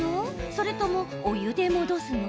それとも、お湯で戻すの？